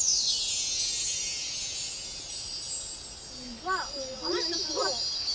うわっあの人すごい。